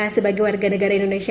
sebagai warga negara indonesia